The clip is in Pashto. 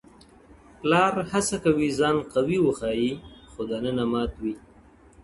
o پلار هڅه کوي ځان قوي وښيي خو دننه مات وي,